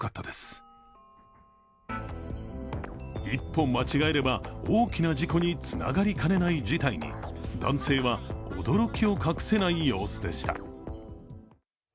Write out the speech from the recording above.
一歩間違えれば大きな事故につながりかねない事態に男性は驚きを隠せない様子でした。